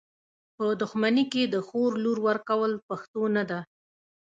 په دښمني کي د خور لور ورکول پښتو نده .